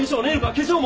化粧も！